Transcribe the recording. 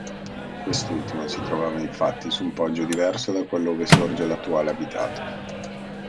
Quest'ultima si trovava infatti su un poggio diverso da quello ove sorge l'attuale abitato.